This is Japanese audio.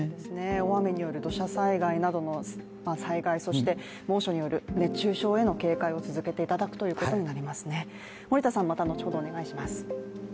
大雨による土砂災害などの災害、そして、猛暑による熱中症への警戒を続けていくということになりますね。